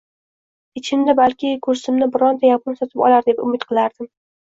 Ichimda balki kursimni bironta yapon sotib olar, deb umid qilardim